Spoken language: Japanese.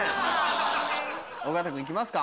尾形君行きますか。